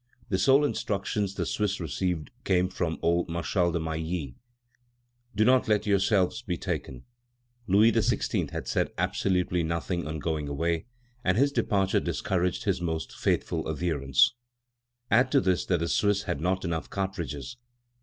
The sole instructions the Swiss received came from old Marshal de Mailly: "Do not let yourselves be taken." Louis XVI. had said absolutely nothing on going away, and his departure discouraged his most faithful adherents. Add to this that the Swiss had not enough cartridges.